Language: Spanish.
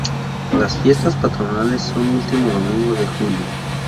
Las fiestas patronales son último domingo de julio.